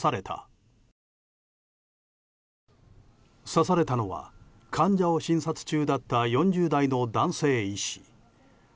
刺されたのは患者を診察中だった４０代の男性医師。